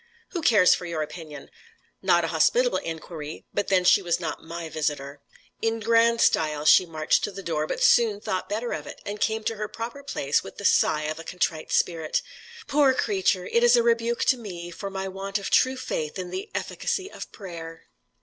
"Who cares for your opinion?" Not a hospitable inquiry; but then she was not my visitor. In grand style she marched to the door, but soon thought better of it, and came to her proper place with the sigh of a contrite spirit. "Poor creature! It is a rebuke to me, for my want of true faith in the efficacy of prayer."